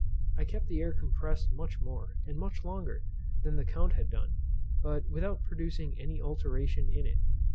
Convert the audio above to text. I kept the air compressed much more, and much longer, than the Count had done, but without producing any alteration in it.